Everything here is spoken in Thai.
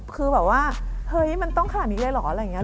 คือแบบว่าเฮ้ยมันต้องขนาดนี้เลยเหรออะไรอย่างนี้